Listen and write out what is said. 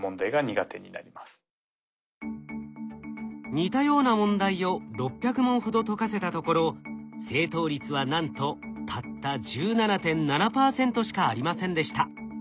似たような問題を６００問ほど解かせたところ正答率はなんとたった１７．７％しかありませんでした。